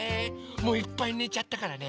もういっぱいねちゃったからね